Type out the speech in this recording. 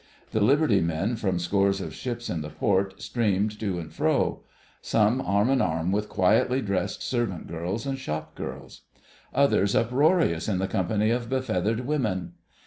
The liberty men from scores of ships in the port streamed to and fro: some arm in arm with quietly dressed servant girls and shop girls; others uproarious in the company of befeathered women.